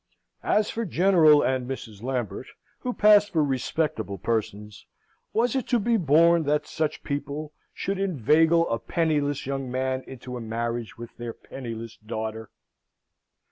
As for General and Mrs. Lambert, who passed for respectable persons, was it to be borne that such people should inveigle a penniless young man into a marriage with their penniless daughter?